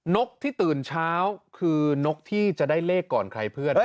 นกที่ตื่นเช้าคือนกที่จะได้เลขก่อนใครเพื่อน